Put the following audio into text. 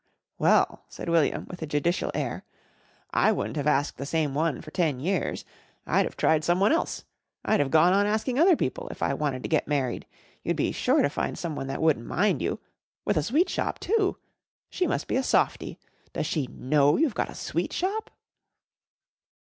"Well," said William with a judicial air, "I wun't have asked the same one for ten years. I'd have tried someone else. I'd have gone on asking other people, if I wanted to get married. You'd be sure to find someone that wouldn't mind you with a sweet shop, too. She must be a softie. Does she know you've got a sweet shop?"